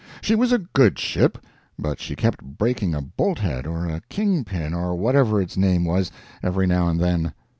She was a good ship, but she kept breaking a bolt head or a king pin, or whatever its name was, every now and then.